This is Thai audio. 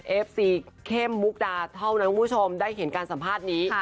เอฟซีเข้มมุกดาเท่านั้นคุณผู้ชมได้เห็นการสัมภาษณ์นี้